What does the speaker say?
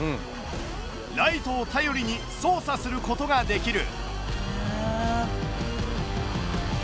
ライトを頼りに操作することができる。